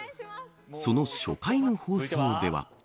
その初回の放送では。